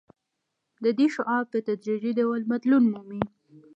د دې شعاع په تدریجي ډول بدلون مومي